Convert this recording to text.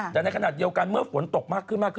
แต่ในขณะเดียวกันเมื่อฝนตกมากขึ้นมากขึ้น